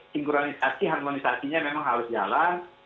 sinkronisasi harmonisasinya memang harus jalan